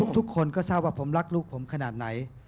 ทุกคนก็ทราบว่าผมรักลูกผมขนาดไหน